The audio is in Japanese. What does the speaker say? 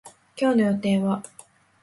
今日の予定は